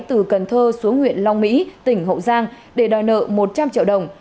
từ cần thơ xuống huyện long mỹ tỉnh hậu giang để đòi nợ một trăm linh triệu đồng